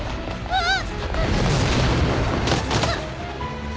あっ。